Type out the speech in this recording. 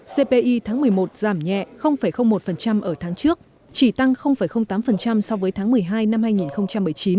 cpi tháng một mươi một giảm nhẹ một ở tháng trước chỉ tăng tám so với tháng một mươi hai năm hai nghìn một mươi chín